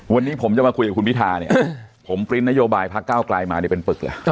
วันนี้ผมจะมาคุยกับคุณพิธาเนี่ยผมปริ้นนโยบายพักเก้าไกลมาเนี่ยเป็นปึกเลย